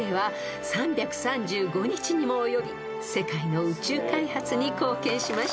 ［世界の宇宙開発に貢献しました］